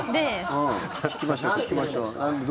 聞きましょう。